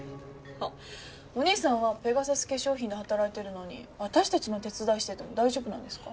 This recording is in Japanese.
お兄さんはペガサス化粧品で働いてるのに私たちの手伝いしてても大丈夫なんですか？